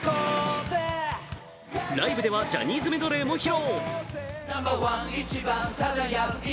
ライブではジャニーズメドレーも披露。